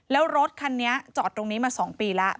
แล้วรถคันนี้จอดตรงนี้มา๒ปีแล้ว